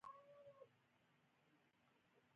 د نورو له تجربو زده کړه وکړه.